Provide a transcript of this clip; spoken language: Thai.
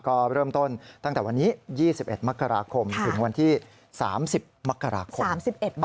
ก็เริ่มต้นตั้งแต่วันนี้๒๑มกราคมถึงวันที่๓๐มกราคม